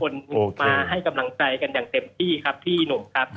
คนมาให้กำลังใจกันอย่างเต็มที่ครับพี่หนุ่มครับ